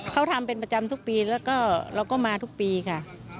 เขาทำเป็นประจำทุกปีแล้วก็เราก็มาทุกปีค่ะ